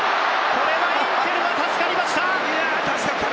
これはインテル、助かりました！